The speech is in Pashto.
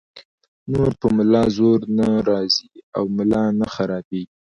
نو پۀ ملا زور نۀ راځي او ملا نۀ خرابيږي -